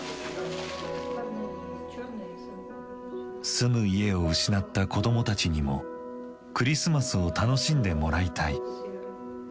住む家を失った子供たちにもクリスマスを楽しんでもらいたい。